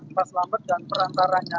mbak selamet dan perantaranya